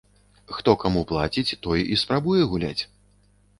Хто каму плаціць, той і спрабуе гуляць.